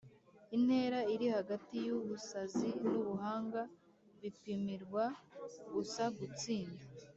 "intera iri hagati yubusazi nubuhanga bipimirwa gusa gutsinda."